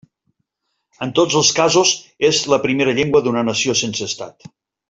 En tots els casos és la primera llengua d'una nació sense Estat.